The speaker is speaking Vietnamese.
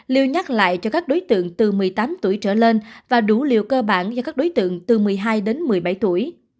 lưu nhắc lại cho các đối tượng từ một mươi tám tuổi trở lên và đủ liều cơ bản do các đối tượng từ một mươi hai đến một mươi bảy tuổi